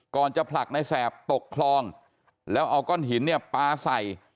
จะผลักในแสบตกคลองแล้วเอาก้อนหินเนี่ยปลาใส่